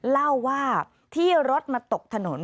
เล่าว่าที่รถมาตกถนน